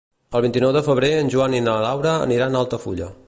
El vint-i-nou de febrer en Joan i na Laura aniran a Altafulla.